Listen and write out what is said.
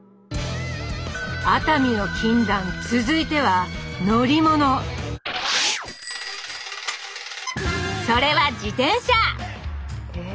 熱海の禁断続いては乗り物それは自転車！